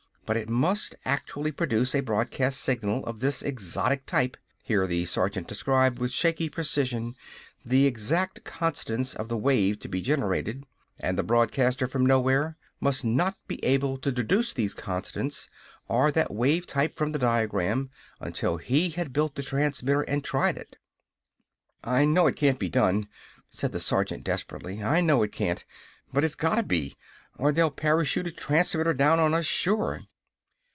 But it must actually produce a broadcast signal of this exotic type here the sergeant described with shaky precision the exact constants of the wave to be generated and the broadcaster from nowhere must not be able to deduce those constants or that wave type from the diagram until he had built the transmitter and tried it. "I know it can't be done!" said the sergeant desperately. "I know it can't! But it's gotta be! Or they'll parachute a transmitter down on us sure."